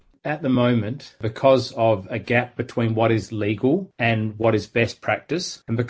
pada saat ini karena kebingungan antara apa yang ilegal dan apa yang berpraktik terbaik